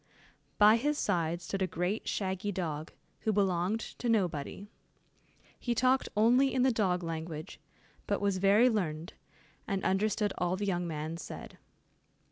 By his side stood a great shaggy dog, who belonged to nobody. He talked only in the dog language, but was very learned, and understood all the young man said.